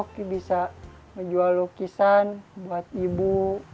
oke bisa menjual lukisan buat ibu